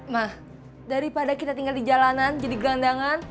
nah daripada kita tinggal di jalanan jadi gelandangan